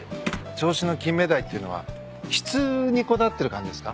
銚子のキンメダイっていうのは質にこだわってる感じですか？